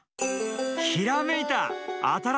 ひらめいた！